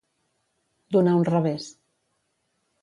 Donar un revés.